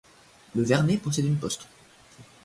Le Vernet possède une poste.